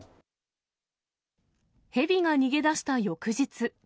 ヘビが逃げ出した翌日。